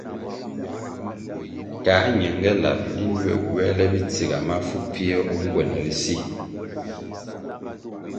Ka ñenge lab linʼ ywe gywēle bitsiga mafu pfie o ngwenʼ ri si,